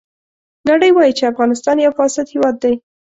نړۍ وایي چې افغانستان یو فاسد هېواد دی.